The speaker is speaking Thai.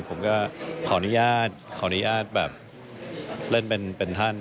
ผมก็ขออนุญาตขออนุญาตแบบเล่นเป็นท่าน